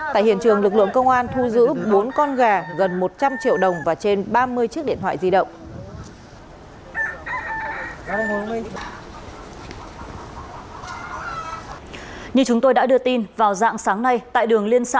tại hiện trường lực lượng công an thu giữ bốn con gà gần một trăm linh triệu đồng và trên ba mươi triệu đồng